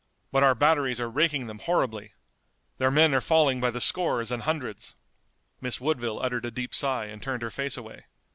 But our batteries are raking them horribly. Their men are falling by the scores and hundreds." Miss Woodville uttered a deep sigh and turned her face away.